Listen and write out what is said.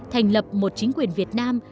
thành lập một chính quyền việt nam